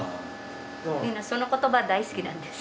その言葉大好きなんです。